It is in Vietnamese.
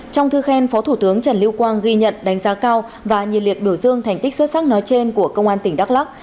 trong thư khen phó thủ tướng trần lưu quang ghi nhận đánh giá cao và nhiệt liệt biểu dương thành tích xuất sắc nói trên của công an tỉnh đắk lắc